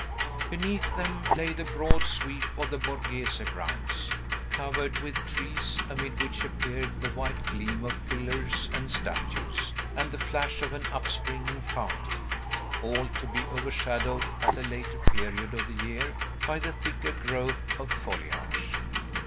Beneath them lay the broad sweep of the Borghese grounds, covered with trees, amid which appeared the white gleam of pillars and statues, and the flash of an upspringing fountain, all to be overshadowed at a later period of the year by the thicker growth of foliage.